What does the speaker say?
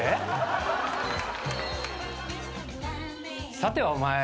さてはお前。